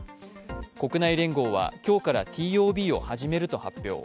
国内連合は今日からＴＯＢを始めると発表。